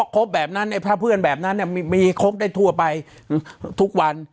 คบแบบนั้นถ้าเพื่อนแบบนั้นเนี้ยมีคบได้ทั่วไปทุกวัน